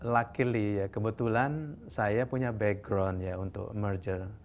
lucky ya kebetulan saya punya background ya untuk merger